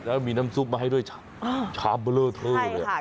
แล้วมีน้ำซุปมาให้ด้วยชามเบลอเท่าไหร่